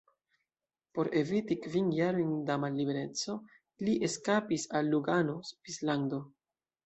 Por eviti kvin jarojn da mallibereco, li eskapis al Lugano, Svislando.